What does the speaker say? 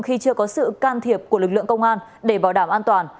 khi chưa có sự can thiệp của lực lượng công an để bảo đảm an toàn